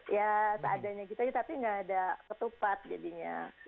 ya seadanya gitu tapi tidak ada ketupat jadinya